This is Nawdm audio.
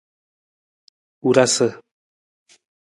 Wurasa.